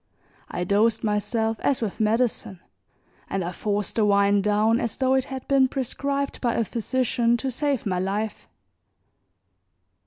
I dosed myself as with medicine, and I forced the wine down as though it had been prescribed by a physician to save my life.